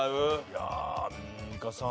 いやアンミカさん。